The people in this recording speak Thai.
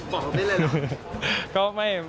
บอกได้เลยหรอ